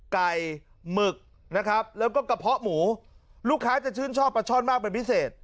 หมึกนะครับแล้วก็กระเพาะหมูลูกค้าจะชื่นชอบปลาช่อนมากเป็นพิเศษ